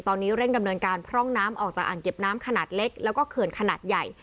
ตอนนี้เร่งดำเนินการพร่องน้ำออกจากอ่างเก็บน้ำขนาดเล็กแล้วก็เขื่อนขนาดใหญ่